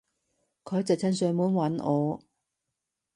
佢直情上門搵我